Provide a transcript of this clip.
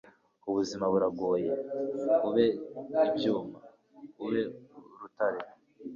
ubuzima buragoye; ube ibyuma; ube urutare